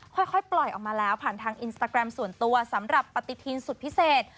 ค่อยปล่อยออกมาแล้วผ่านทางอินสตาแกรมส่วนตัวสำหรับปฏิทินสุดพิเศษ